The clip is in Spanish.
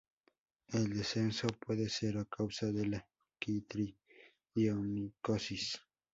El descenso puede ser a causa de la quitridiomicosis.